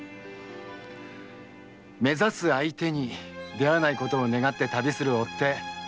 目指す相手に出会わないことを願って旅する追手。